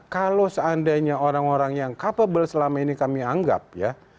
kalau seandainya orang orang yang capable selama ini kami anggap ya